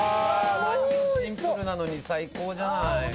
何よシンプルなのに最高じゃない。